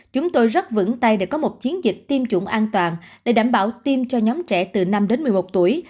chúng tôi rất vững tay để có một chiến dịch tiêm chủng an toàn để đảm bảo tiêm cho nhóm trẻ từ năm đến một mươi một tuổi